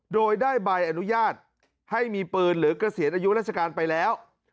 โดยได้ใบอนุญาตให้มีปืนหรือเกษียณอายุราชการไปแล้ว